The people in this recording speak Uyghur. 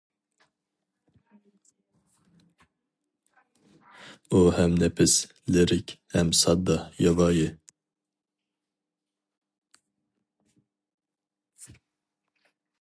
ئۇ ھەم نەپىس، لىرىك، ھەم ساددا، ياۋايى.